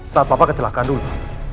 saat papa kecelakaan dulu